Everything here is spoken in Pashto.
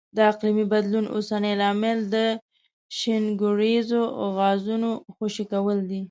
د اقلیمي بدلون اوسنی لامل د شینکوریزو غازونو خوشې کول دي.